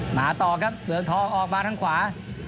มาต่อครับเมืองทองออกมาทางขวา